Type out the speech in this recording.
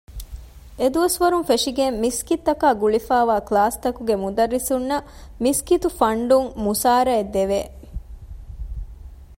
އެދުވަސްވަރުން ފެށިގެން މިސްކިތްތަކާ ގުޅިފައިވާ ކްލާސްތަކުގެ މުދައްރިސުންނަށް މިސްކިތު ފަންޑުން މުސާރައެއް ދެވެ